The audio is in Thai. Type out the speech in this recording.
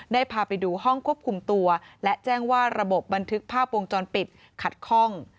พาไปดูห้องควบคุมตัวและแจ้งว่าระบบบันทึกภาพวงจรปิดขัดคล่อง